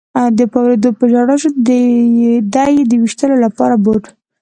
په اورېدو په ژړا شو، دی یې د وېشتلو لپاره بوت.